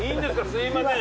すいません。